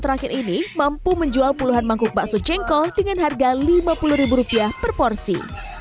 terakhir ini mampu menjual puluhan mangkuk bakso jengkol dengan harga lima puluh ribu rupiah per porsi